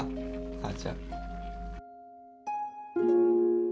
母ちゃん。